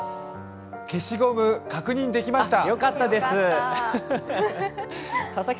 消しゴム確認できました。